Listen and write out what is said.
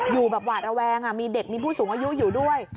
อยู่แบบหวาดระแวงมีเด็กมีผู้สูงอายุอยู่ด้วย